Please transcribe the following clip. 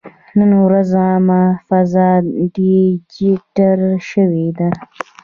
نن ورځ عامه فضا ډیجیټلي شوې ده.